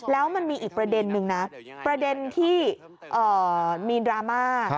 แล้วมันมีอีกประเด็นนึงนะประเด็นที่มีดราม่า